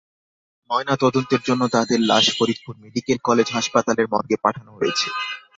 ময়নাতদন্তের জন্য তাঁদের লাশ ফরিদপুর মেডিকেল কলেজ হাসপাতালের মর্গে পাঠানো হয়েছে।